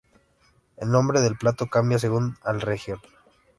El nombre del plato cambia según al región.